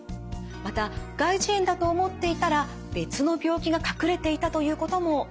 また外耳炎だと思っていたら別の病気が隠れていたということもあるんです。